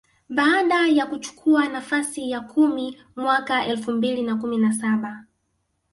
baada ya kuchukua nafasi ya kumi mwaka elfu mbili na kumi na saba